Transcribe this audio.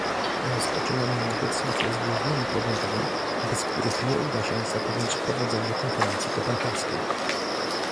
Rozpoczynamy negocjacje z głównymi podmiotami, bez których nie uda się zapewnić powodzenia konferencji kopenhaskiej